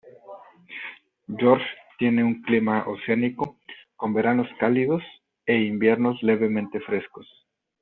George tiene un clima oceánico, con veranos cálidos, e inviernos levemente frescos.